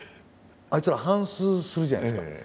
あいつら反すうするじゃないですか。